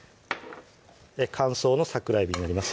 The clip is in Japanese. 乾燥の桜えびになります